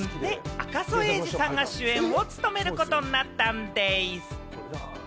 赤楚衛二さんが主演を務めることになったんでぃす！